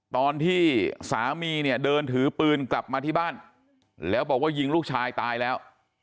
ตอนที่สามีเนี่ยเดินถือปืนกลับมาที่บ้านแล้วบอกว่ายิงลูกชายตายแล้ว